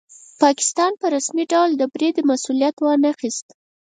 پاکستان په رسمي ډول د برید مسوولیت وانه خیست.